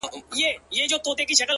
په زلفو ورا مه كوه مړ به مي كړې ـ